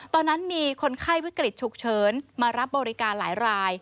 ตอนนั้นมีคนไข้วิกฤตฉุกเฉินมารับบริการหลายราย